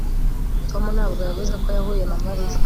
Tom ntabwo yavuze ko yahuye na Mariya